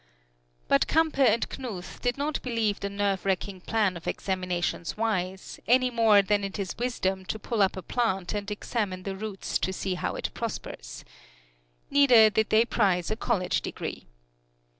But Campe and Knuth did not believe the nerve racking plan of examinations wise, any more than it is wisdom to pull up a plant and examine the roots to see how it prospers. Neither did they prize a college degree.